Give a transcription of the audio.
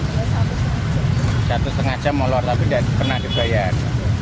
satu setengah jam molor tapi tidak pernah dibayar